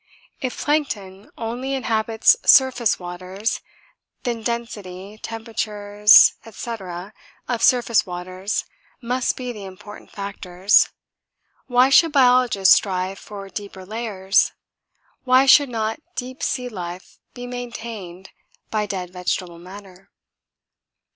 (If plankton only inhabits surface waters, then density, temperatures, &c., of surface waters must be the important factors. Why should biologists strive for deeper layers? Why should not deep sea life be maintained by dead vegetable matter?)